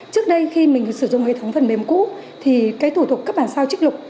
trước đây khi mình sử dụng hệ thống phần mềm cũ thì cái thủ tục cấp bản sao trích lục